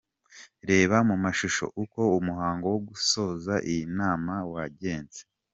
Reba mu mashusho uko umuhango wo gusoza iyi nama wagenze .